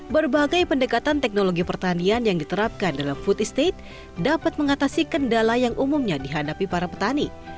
berbagai pendekatan teknologi pertanian yang diterapkan dalam food estate dapat mengatasi kendala yang umumnya dihadapi para petani